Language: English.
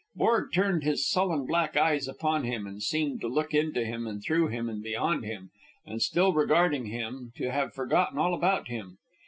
Borg turned his sullen black eyes upon him, and seemed to look into him and through him and beyond him, and, still regarding him, to have forgotten all about him.